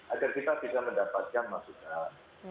agar kita bisa mendapatkan masukan